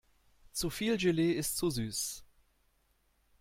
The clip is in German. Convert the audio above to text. Zu viel Gelee ist zu süß.